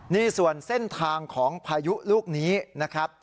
นี่ส่วนเส้นทางของพายุลูกนี้นะครับ